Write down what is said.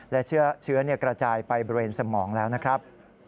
และเชื้อกระจายไปบริเวณสมองแล้วนะครับ